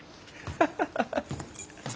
ハハハハ。